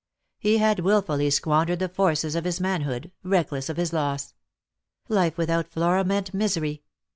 He had wilfully squandered the forces of his manhood, reckless of his loss. Life without Flora meant misery.